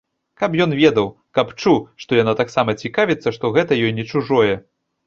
Каб ён ведаў, каб чуў, што яна таксама цікавіцца, што гэта ёй не чужое.